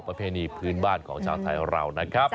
ประเพณีพื้นบ้านของชาวไทยของเรา